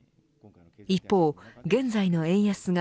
一方、現在の円安が